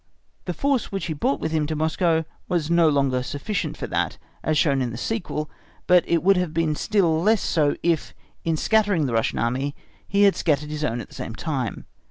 The force which he brought with him to Moscow was no longer sufficient for that, as shown in the sequel, but it would have been still less so if, in scattering the Russian Army, he had scattered his own at the same time.